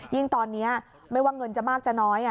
ยิ่งตอนนี้ไม่ว่าเงินจะมากจะน้อย